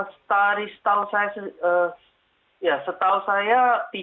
setau saya tidak